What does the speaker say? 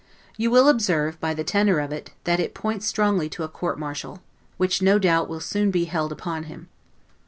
You will observe, by the tenor of it, that it points strongly to a court martial; which, no doubt, will soon be held upon him.